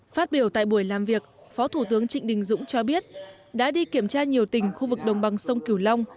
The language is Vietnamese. phát biểu tại buổi làm việc phó thủ tướng trịnh đình dũng cho biết đã đi kiểm tra nhiều tỉnh khu vực đồng bằng sông cửu long